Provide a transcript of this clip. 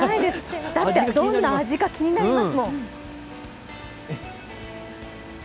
どんな味か気になりますもん。